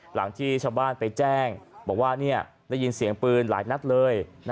หลังที่ชาวบ้านไปแจ้งบอกว่าได้ยินเสียงปืนหลายนัดเลย